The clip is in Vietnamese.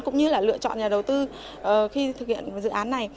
cũng như là lựa chọn nhà đầu tư khi thực hiện dự án này